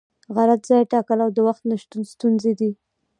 غلط ځای ټاکل او د وخت نشتون ستونزې دي.